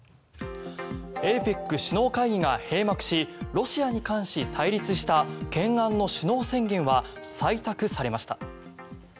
ＡＰＥＣ首脳会議が閉幕しロシアに関し対立した懸案の首脳宣言は採択されました。